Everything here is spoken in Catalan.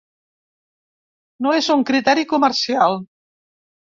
No és un criteri comercial.